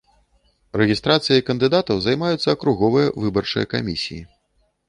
Рэгістрацыяй кандыдатаў займаюцца акруговыя выбарчыя камісіі.